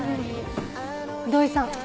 土居さん